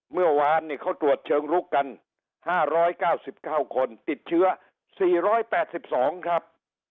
เมื่อวานเขาตรวจเชิงลุกกัน๕๙๙คนติดเชื้อ๔๘๒ครับ